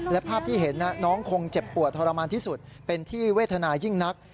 และภาพที่เห็นน้องคงเจ็บปวดทรมานที่สุดเป็นที่เวทนายิ่งนัก